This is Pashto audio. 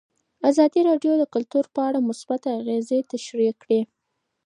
ازادي راډیو د کلتور په اړه مثبت اغېزې تشریح کړي.